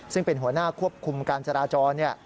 ซึ่งเป็นหัวหน้าควบคุมการจราจร